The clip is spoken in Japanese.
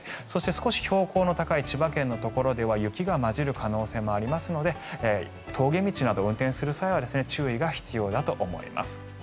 そして、少し標高の高い千葉県のところでは雪が交じる可能性もありますので峠道など運転する際は注意が必要だと思います。